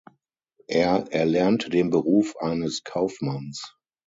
Er erlernte den Beruf eines Kaufmanns.